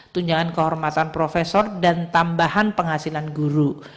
tunjangan kehormatan profesor dan tambahan penghasilan guru